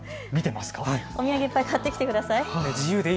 お土産いっぱい買ってきてください。